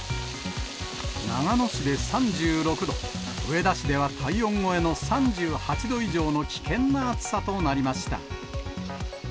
長野市で３６度、上田市では体温超えの３８度以上の危険な暑さとなりました。